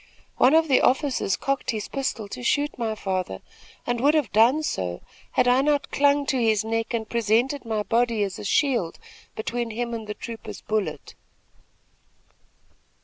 One of the officers cocked his pistol to shoot my father and would have done so, had I not clung to his neck and presented my body as a shield between him and the trooper's bullet.